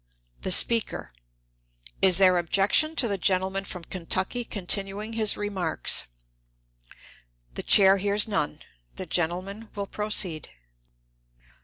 The Speaker. Is there objection to the gentleman from Kentucky continuing his remarks? The Chair hears none. The gentleman will proceed.